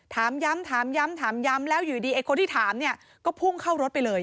ถามย้ำถามย้ำถามย้ำแล้วอยู่ดีไอ้คนที่ถามเนี่ยก็พุ่งเข้ารถไปเลย